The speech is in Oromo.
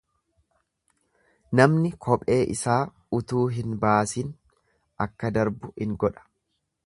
Namni kophee isaa utuu hin baasin akka darbu in godha.